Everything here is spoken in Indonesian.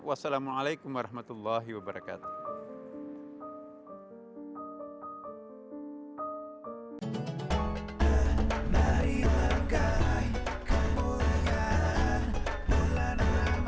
wassalamualaikum warahmatullahi wabarakatuh